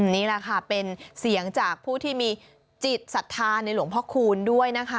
นี่แหละค่ะเป็นเสียงจากผู้ที่มีจิตศรัทธาในหลวงพ่อคูณด้วยนะคะ